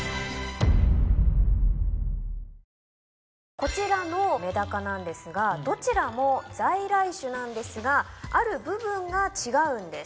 こちらのメダカなんですがどちらも在来種なんですがある部分が違うんです。